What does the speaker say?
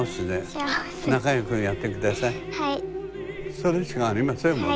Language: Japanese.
それしかありませんもの。